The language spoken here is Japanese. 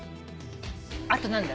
あと何だ？